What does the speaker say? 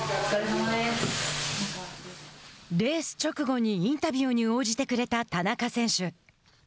レース直後にインタビューに応じてくれた田中選手。